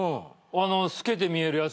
あの透けて見えるやつ。